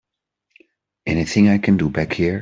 Anything I can do back here?